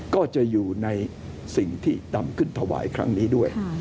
ก็จะอยู่ในสิ่งที่นำขึ้นถวายครั้งนี้ด้วย